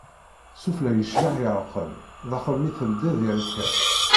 S ufella yecbaḥ yerqem, daxel mi d-teldiḍ yerka.